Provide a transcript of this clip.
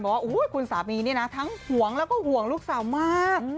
ว่าคุณสามีนี่นะทั้งห่วงแล้วก็ห่วงลูกสาวมาก